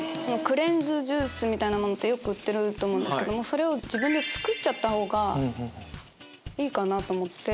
クレンズジュースみたいなものよく売ってると思うんですけど自分で作っちゃったほうがいいかなと思って。